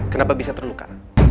kenapa bisa terluka